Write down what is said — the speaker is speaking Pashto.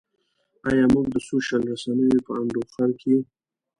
ایا موږ د سوشل رسنیو په انډوخر کې.